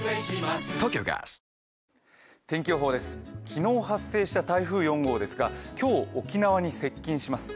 昨日発生した台風４号ですが今日、沖縄に接近します。